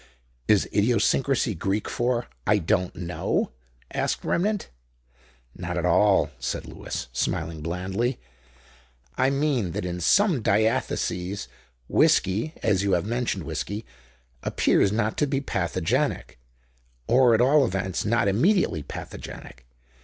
"Is idiosyncrasy Greek for 'I don't know'?" asked Remnant. "Not at all," said Lewis, smiling blandly. "I mean that in some diatheses whisky—as you have mentioned whisky—appears not to be pathogenic, or at all events not immediately pathogenic.